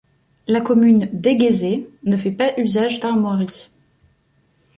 La commune d'Eghezée ne fait pas usage d'armoiries.